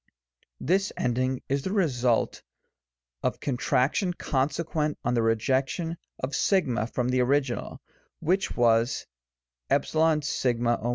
This ending is the result of contraction consequent on the rejection of o from the original, which was a6(o.